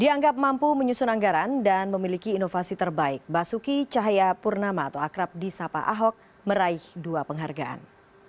dianggap mampu menyusun anggaran dan memiliki inovasi terbaik basuki cahayapurnama atau akrab di sapa ahok meraih dua penghargaan